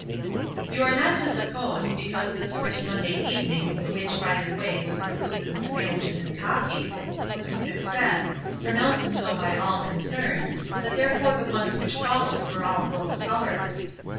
You are not to suppose, because this first Monday evening (which, by the way, was concluded with sandwiches and coffee) was a success, pronounced so by all concerned, that therefore the ones which followed were all rose color.